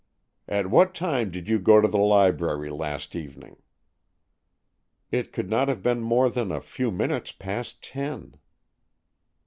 "At what time did you go to the library last evening?" "It could not have been more than a few minutes past ten."